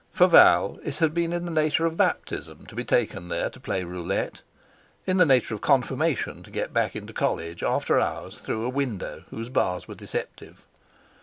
For Val it had been in the nature of baptism to be taken there to play roulette; in the nature of confirmation to get back into college, after hours, through a window whose bars were deceptive.